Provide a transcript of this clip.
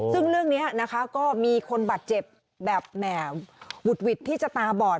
ซึ่งเรื่องนี้นะคะก็มีคนบาดเจ็บแบบแหม่หวุดหวิดที่จะตาบอด